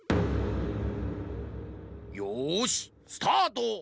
よしスタート！